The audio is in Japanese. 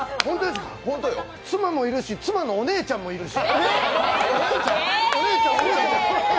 妻もいるし、妻のお姉ちゃんもいるし。